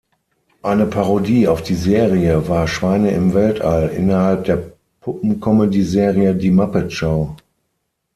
Eine Parodie auf die Serie war "Schweine im Weltall" innerhalb der Puppen-Comedyserie "Die Muppet-Show".